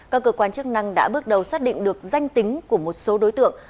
các cơ quan chức năng đã bước đầu xác định được danh tính của một số đối tượng